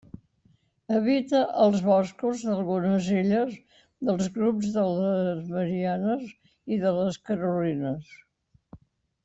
Habita els boscos d'algunes illes dels grups de les Marianes i de les Carolines.